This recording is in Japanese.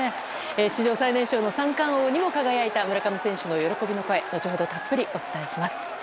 史上最年少の三冠王にも輝いた村上選手の声後ほど、たっぷりお伝えします。